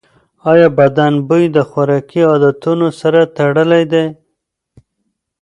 ایا بدن بوی د خوراکي عادتونو سره تړلی دی؟